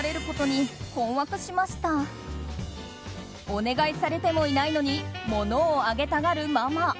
お願いされてもいないのに物をあげたがるママ。